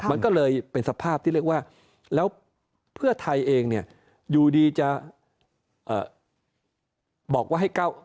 มันก็เลยเป็นสภาพที่เรียกว่าแล้วเพื่อไทยเองเนี่ยอยู่ดีจะบอกว่าให้๙